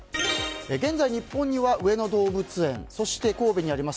現在、日本には上野動物園そして神戸にあります